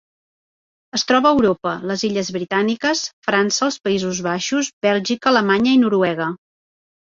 Es troba a Europa: les illes Britàniques, França, els Països Baixos, Bèlgica, Alemanya i Noruega.